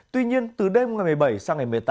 tuy nhiên từ đêm ngày một mươi bảy sang ngày một mươi tám